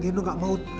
gendo gak mau